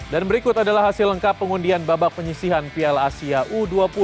dan berikut adalah hasil lengkap pengundian bambang penyisihan piala asia u dua puluh dua ribu dua puluh tiga